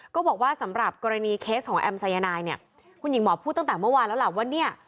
ก็บอกว่าสำหรับกรณีเคสของแอมสายนายเนี่ยคุณหญิงหมอพูดตั้งแต่เมื่อวานแล้วล่ะว่าเนี่ย